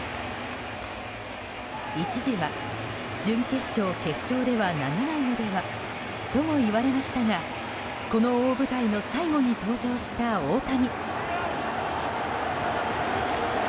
一時は準決勝、決勝では投げないのではとも言われましたがこの大舞台の最後に登場した大谷。